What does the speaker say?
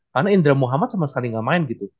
karena indra muhammad sama sekali gak main gitu